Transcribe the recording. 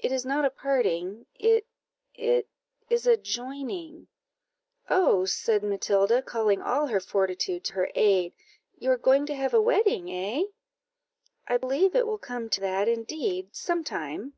"It is not a parting; it it is a joining." "Oh," said Matilda, calling all her fortitude to her aid, "you are going to have a wedding, eh?" "I believe it will come to that, indeed, some time."